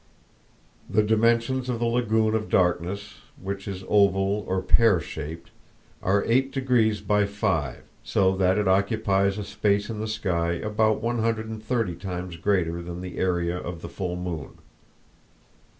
The dimensions of the lagoon of darkness, which is oval or pear shaped, are eight degrees by five, so that it occupies a space in the sky about one hundred and thirty times greater than the area of the full moon.